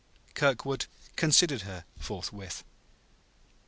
Kirkwood considered her, forthwith.